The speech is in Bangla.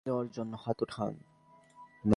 দোয়ার জন্য হাত উঠান।